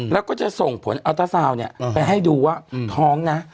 แล้วก็จะส่งผลอัลต้าซาวน์เนี่ยไปให้ดูว่าท้องนะ